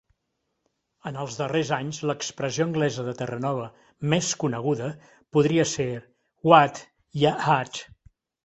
En els darrers anys, l'expressió anglesa de Terranova més coneguda podria ser "Whadd'ya at?"